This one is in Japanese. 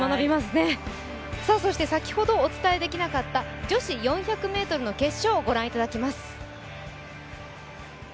そして先ほどお伝えできなかった女子４００ｍの決勝をご覧いただきます。